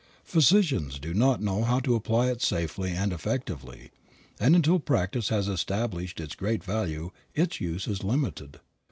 Physicians do not know how to apply it safely and effectively, and until practice has established its great value its use is limited.